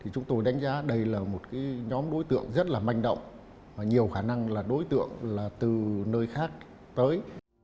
chúng tôi đánh giá đây là một nhóm đối tượng rất là manh động và nhiều khả năng là đối tượng là từ nơi khác tới